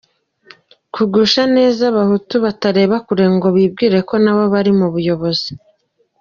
Kugusha neza abahutu batareba kure ngo bibwire ko nabo bari mu buyobozi